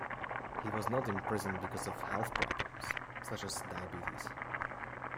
He was not imprisoned because of health problems such as diabetes.